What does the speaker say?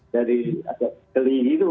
jadi agak geli gitu